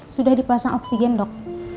sudah dipasang oksigen dok